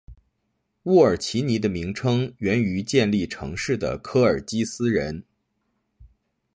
乌尔齐尼的名称源于建立城市的科尔基斯人。